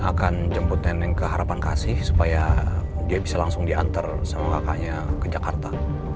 akan jemput nenek ke harapan kasih supaya dia bisa langsung diantar sama kakaknya ke jakarta